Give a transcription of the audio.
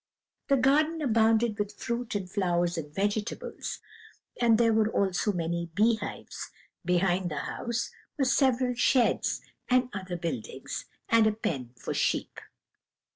"The garden abounded with fruit and flowers and vegetables, and there were also many bee hives; behind the house were several sheds and other buildings, and a pen for sheep.